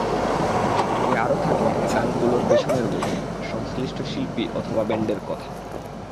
সঙ্গে আরও থাকে গানগুলোর পেছনের গল্প, সংশ্লিষ্ট শিল্পী অথবা ব্যান্ডের কথা।